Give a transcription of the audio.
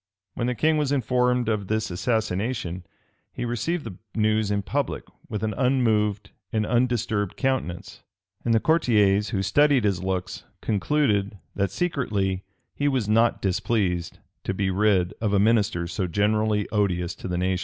[*] When the king was informed of this assassination, he received the news in public with an unmoved and undisturbed countenance; and the courtiers, who studied his looks, concluded, that secretly he was not displeased to be rid of a minister so generally odious to the nation.